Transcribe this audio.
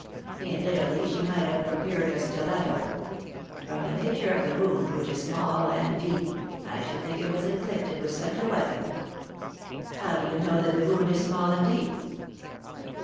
"In Italy she might have procured a stiletto. From the nature of the wound which is small and deep I should think it was inflicted with such a weapon." "How do you know that the wound is small and deep?"